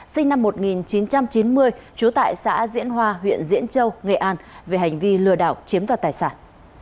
sinh năm một nghìn chín trăm chín mươi trú tại xã diễn hoa huyện diễn châu nghệ an về hành vi lừa đảo chiếm đoạt tài sản